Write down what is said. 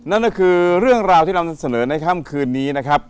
นั่นก็คือเรื่องราวที่เรานำเสนอในค่ำคืนนี้นะครับ